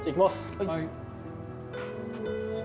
はい。